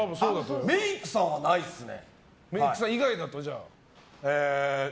メイクさんはないっすね。